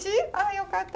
よかった。